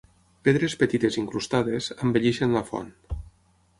Pedres petites incrustades, embelleixen la font.